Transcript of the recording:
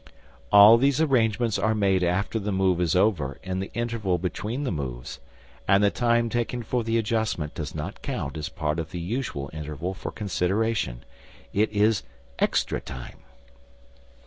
All these arrangements are made after the move is over, in the interval between the moves, and the time taken for the adjustment does not count as part of the usual interval for consideration. It is extra time.